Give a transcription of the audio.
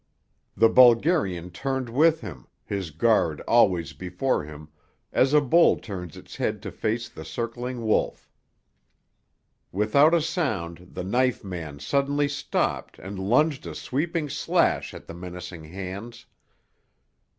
The Bulgarian turned with him, his guard always before him, as a bull turns its head to face the circling wolf. Without a sound the knife man suddenly stopped and lunged a sweeping slash at the menacing hands.